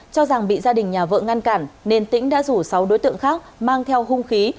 cho rằng bị gia đình nhà vợ ngăn cản nên tĩnh đã rủ sáu đối tượng khác mang theo hung khí